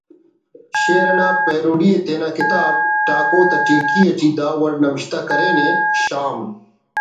شئیر نا پیروڈی ءِ تینا کتاب ''ٹاکو تا ٹیکی'' ٹی دا وڑ نوشتہ کرینے: ''شام